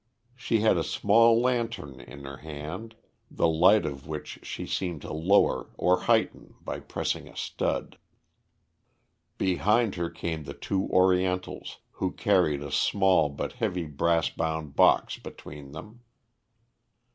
She had a small lantern in her hand, the light of which she seemed to lower or heighten by pressing a stud. Behind her came the two Orientals, who carried a small but heavy brass bound box between them.